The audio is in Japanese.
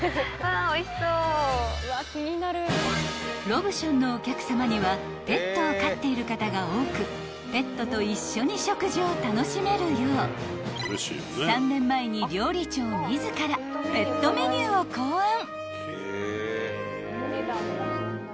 ［ロブションのお客さまにはペットを飼っている方が多くペットと一緒に食事を楽しめるよう３年前に料理長自らペットメニューを考案］